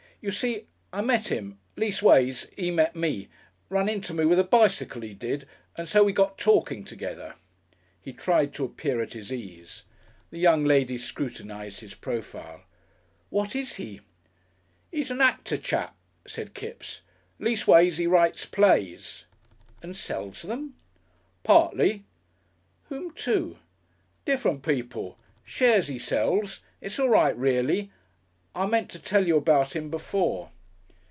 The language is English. You see I met 'im. Leastways 'e met me. Run into me with a bicycle, 'e did, and so we got talking together." He tried to appear at his ease. The young lady scrutinised his profile. "What is he?" "'E's a Nacter chap," said Kipps. "Leastways 'e writes plays." "And sells them?" "Partly." "Whom to?" "Different people. Shares he sells.... It's all right, reely I meant to tell you about him before."